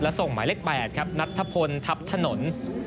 และส่งหมายเลข๘ครับนัทธพลทัพถนน